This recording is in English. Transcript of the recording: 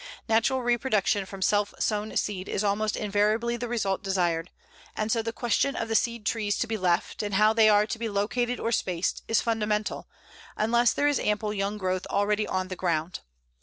Natural reproduction from self sown seed is almost invariably the result desired; and so the question of the seed trees to be left, and how they are to be located or spaced, is fundamental, unless there is ample young growth already on the ground.